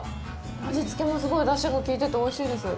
味付けも、すごいだしがきいてておいしいです。